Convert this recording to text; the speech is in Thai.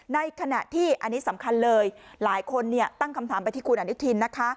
ในขณะที่อันนี้สำคัญเลยหลายคนตั้งคำถามไปที่คุณอนุทินนะคะ